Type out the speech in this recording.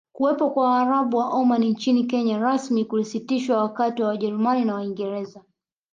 Kuwepo kwa Waarabu wa Omani nchini Kenya rasmi kulisitishwa wakati Wajerumani na Waingereza